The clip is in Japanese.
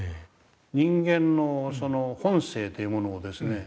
人間の本性というものをですね